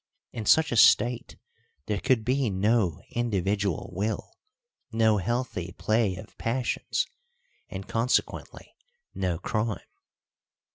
In such a state there could be no individual will, no healthy play of passions, and consequently no crime.